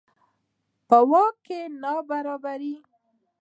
په واک کې نابرابري.